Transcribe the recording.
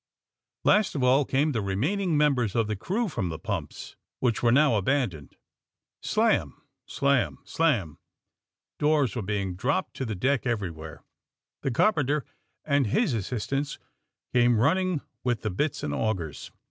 Last of all, came the remaining members of the crew from the pmnps, which were now abandoned. Slam! slam! slam! Doors were being dropped to the deck everywhere. The carpen ter and his assistants came running with the bits and augers.